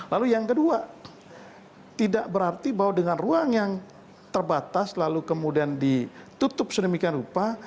lalu yang kedua tidak berarti bahwa dengan ruang yang terbatas lalu kemudian ditutup sedemikian rupa